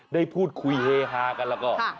ได้พูดคุยเฮฮากันแล้วก็